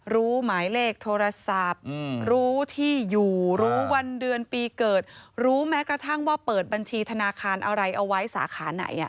รู้หมายเลขโทรศัพท์รู้ที่อยู่รู้วันเดือนปีเกิดรู้แม้กระทั่งว่าเปิดบัญชีธนาคารอะไรเอาไว้สาขาไหน